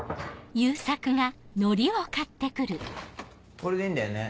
これでいいんだよね？